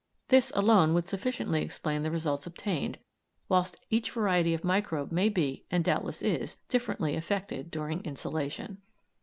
This alone would sufficiently explain the results obtained, whilst each variety of microbe may be, and doubtless is, differently affected during insolation.